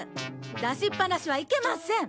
出しっぱなしはいけません。